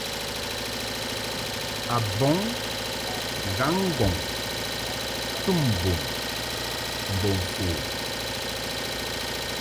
A bɔŋ ghaŋ-ŋgɔŋ tum bun mbo mfon.